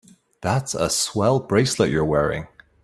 That's a swell bracelet you're wearing.